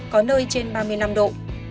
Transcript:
có nơi trên ba mươi năm độ